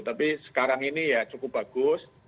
tapi sekarang ini ya cukup bagus